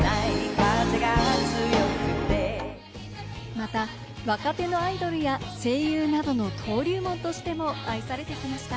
また若手のアイドルや、声優などの登竜門としても愛されてきました。